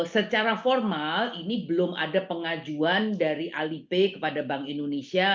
secara formal ini belum ada pengajuan dari alipe kepada bank indonesia